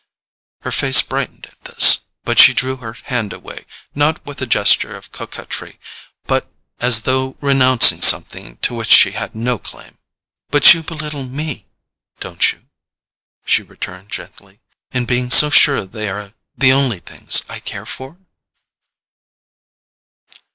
Her face brightened at this, but she drew her hand away, not with a gesture of coquetry, but as though renouncing something to which she had no claim. "But you belittle ME, don't you," she returned gently, "in being so sure they are the only things I care for?"